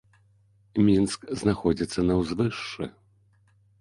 Мінск знаходзіцца на ўзвышшы.